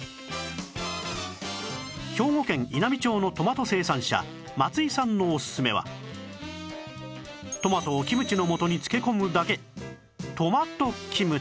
兵庫県稲美町のトマト生産者松井さんのオススメはトマトをキムチのもとに漬け込むだけ